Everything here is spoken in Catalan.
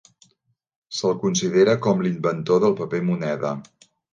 Se'l considera com l'inventor del paper moneda.